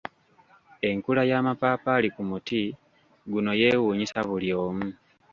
Enkula y’amapaapaali ku muti guno yeewuunyisa buli omu.